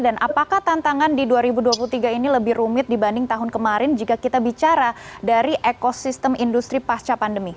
dan apakah tantangan di dua ribu dua puluh tiga ini lebih rumit dibanding tahun kemarin jika kita bicara dari ekosistem industri pasca pandemi